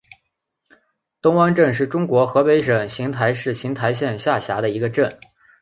东汪镇是中国河北省邢台市邢台县下辖的一个镇。